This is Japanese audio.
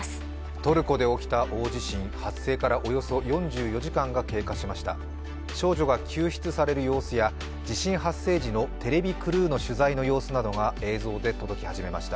トルコで起きた大地震発生からおよそ４４時間が経過しました。